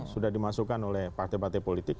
sudah dimasukkan oleh partai partai politik